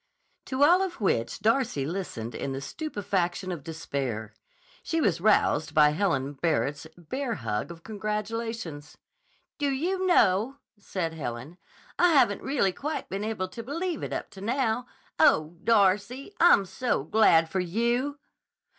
To all of which Darcy listened in the stupefaction of despair. She was roused by Helen Barrett's bear hug of congratulations. "Do you know," said Helen, "I haven't really quite been able to believe it up to now. Oh, Darcy, I'm so glad for you!"